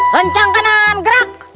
lencang kanan gerak